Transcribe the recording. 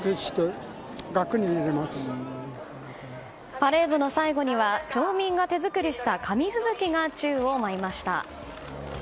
パレードの最後には町民が手作りした紙吹雪が宙を舞いました。